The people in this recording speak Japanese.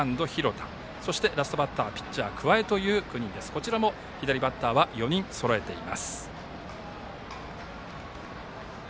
こちらも左バッターは４人そろえています。